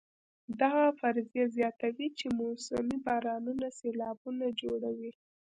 دغه فرضیه زیاتوي چې موسمي بارانونه سېلابونه جوړوي.